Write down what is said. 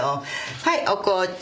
はいお紅茶。